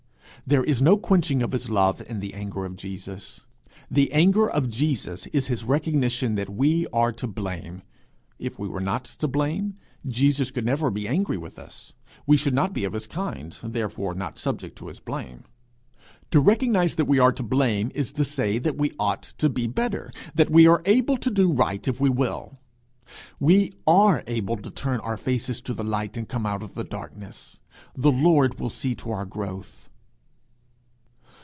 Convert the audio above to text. There is no quenching of his love in the anger of Jesus. The anger of Jesus is his recognition that we are to blame; if we were not to blame, Jesus could never be angry with us; we should not be of his kind, therefore not subject to his blame. To recognize that we are to blame, is to say that we ought to be better, that we are able to do right if we will. We are able to turn our faces to the light, and come out of the darkness; the Lord will see to our growth.